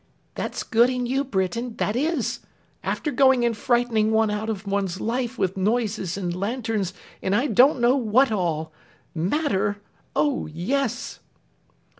'That's good in you, Britain, that is! After going and frightening one out of one's life with noises and lanterns, and I don't know what all. Matter! Oh, yes!